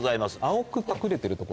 青く隠れてる所